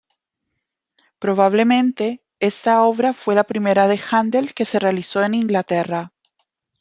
Probablemente esta obra fue la primera de Handel que se realizó en Inglaterra.